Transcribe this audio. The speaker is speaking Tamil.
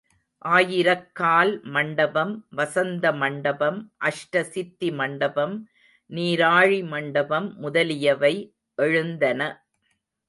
ஆயிரக்கால் மண்டபம், வசந்த மண்டபம், அஷ்ட சித்தி மண்டபம், நீராழி மண்டபம் முதலியவை எழுந்தன.